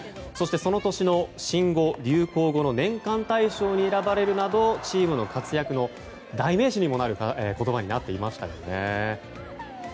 そしてその年の新語・流行語の年間対象に選ばれるなどチームの活躍の代名詞にもなる言葉になっていましたね。